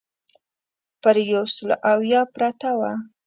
پر یو سل اویا پرته وه.